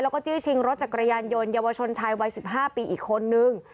แล้วก็จี้ชิงรถจักรยานยนต์เยาวชนชายวัย๑๕ปีอีกคนนึง